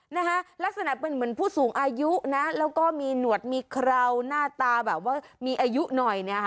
นะคะลักษณะเป็นเหมือนผู้สูงอายุนะแล้วก็มีหนวดมีเคราวหน้าตาแบบว่ามีอายุหน่อยเนี่ยค่ะ